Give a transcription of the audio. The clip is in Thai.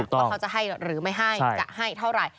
ว่าเขาจะให้หรือไม่ให้จะให้เท่าไหร่